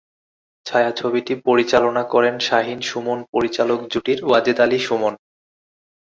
ছায়াছবিটি পরিচালনা করেন শাহীন-সুমন পরিচালক জুটির ওয়াজেদ আলী সুমন।